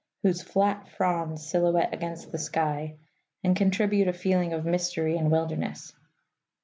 whose flat fronds silhouette against the sky and contribute a feeling of mystery and wilderness.